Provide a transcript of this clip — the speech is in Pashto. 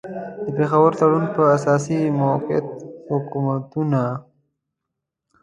د پېښور تړون پر اساس موقت حکومتونه.